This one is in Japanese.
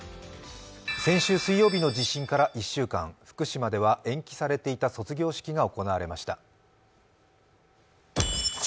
先週水曜日の地震から１週間、福島では、延期されていた卒業式が行われました。